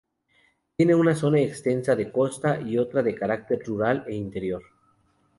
Tiene una zona extensa de costa y otra de carácter rural e interior.